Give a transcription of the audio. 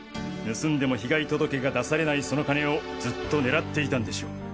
盗んでも被害届が出されないその金をずっと狙っていたんでしょう。